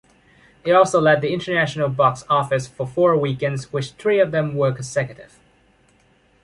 It also led the international box office for four weekends which three of them were consecutive.